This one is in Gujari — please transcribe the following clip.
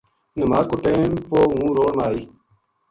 نماز کا ٹیم پو ہوں روڑ ما آئی